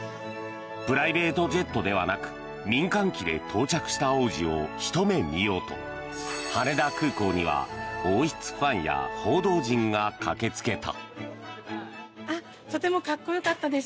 プライベートジェットではなく民間機で到着した王子をひと目見ようと羽田空港には王室ファンや報道陣が駆けつけた。